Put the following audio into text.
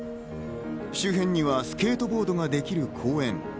周辺にはスケートボードができる公園。